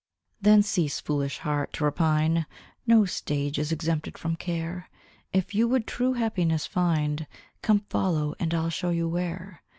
Then cease, foolish heart, to repine; No stage is exempted from care: If you would true happiness find, Come follow! and I'll show you where.